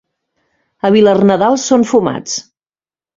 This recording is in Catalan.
A Vilarnadal són fumats.